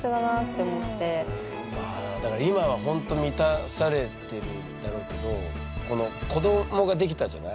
あだから今はほんと満たされてるだろうけど子どもができたじゃない？